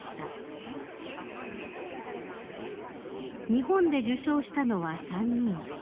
［日本で受章したのは３人］